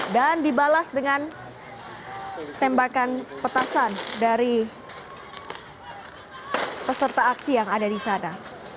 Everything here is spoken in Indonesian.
dan dibalas dengan tembakan petasan dari peserta aksi yang ada di sana